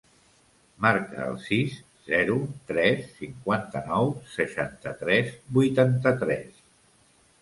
Marca el sis, zero, tres, cinquanta-nou, seixanta-tres, vuitanta-tres.